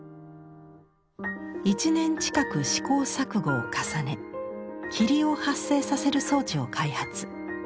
１年近く試行錯誤を重ね霧を発生させる装置を開発。